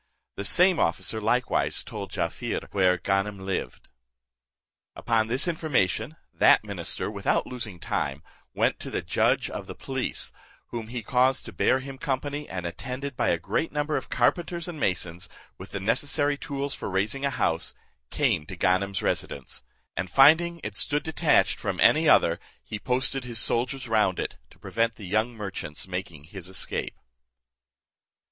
The same officer likewise told Jaaffier where Ganem lived. Upon this information, that minister, without losing time, went to the judge of the police, whom he caused to bear him company, and attended by a great number of carpenters and masons, with the necessary tools for razing a house, came to Ganem's residence; and finding it stood detached from any other, he posted his soldiers round it, to prevent the young merchant's making his escape.